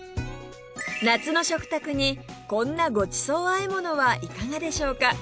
夏の食卓にこんなごちそうあえものはいかがでしょうか？